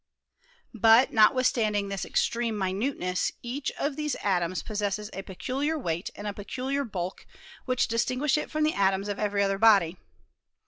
But, notwithstanding this extreme minuteness, each of these atoms possesses a peculiar weight and a pecuhar bulk, which distinguish it from the atoms of every other body.